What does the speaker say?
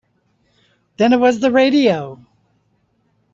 Then it was the radio.